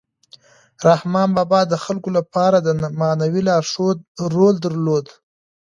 رحمان بابا د خلکو لپاره د معنوي لارښود رول درلود.